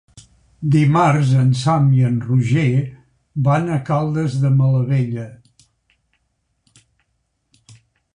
Dimarts en Sam i en Roger van a Caldes de Malavella.